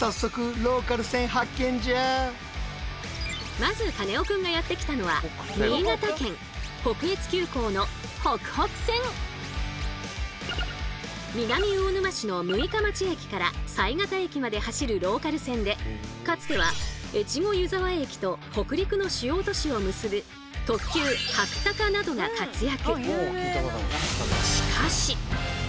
まずカネオくんがやって来たのは南魚沼市の六日町駅から犀潟駅まで走るローカル線でかつては越後湯沢駅と北陸の主要都市を結ぶ特急はくたかなどが活躍。